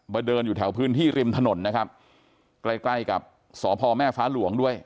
เดินอยู่แถวพื้นที่ริมถนนนะครับใกล้ใกล้กับสพแม่ฟ้าหลวงด้วย